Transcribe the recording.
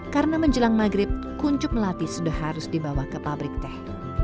karena menjelang maghrib kuncup melati sudah harus dibawa ke pabrik teh